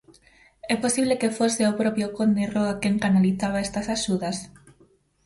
É posible que fose o propio Conde Roa quen "canalizaba" estas axudas?